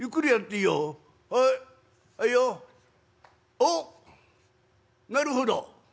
おっなるほど！